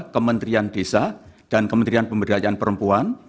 kementerian desa dan kementerian pemberdayaan perempuan